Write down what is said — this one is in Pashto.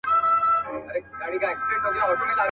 نه مي مخي ته دېوال سي درېدلاى.